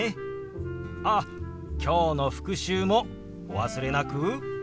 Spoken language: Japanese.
あっきょうの復習もお忘れなく。